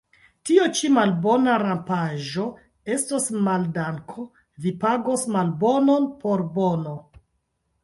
Tio ĉi, malbona rampaĵo, estos maldanko: vi pagos malbonon por bono.